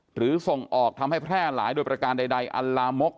ส่งออกทำให้แพร่หลายโดยประการใดอัลลามก